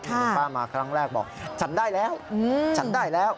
คุณป้ามาครั้งแรกบอกฉันได้แล้วฉันได้แล้ว